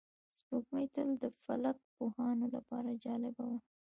سپوږمۍ تل د فلک پوهانو لپاره جالبه وه